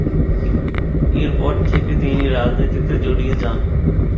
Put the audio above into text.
এরপর থেকে তিনি রাজনীতিতে জড়িয়ে যান।